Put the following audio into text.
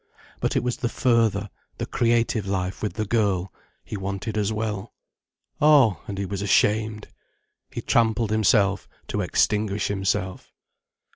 But it was the further, the creative life with the girl, he wanted as well. Oh, and he was ashamed. He trampled himself to extinguish himself.